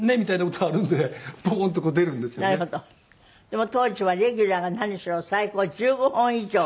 でも当時はレギュラーが何しろ最高１５本以上。